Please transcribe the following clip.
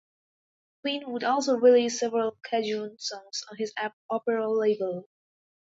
Quinn would also release several Cajun songs on his Opera label.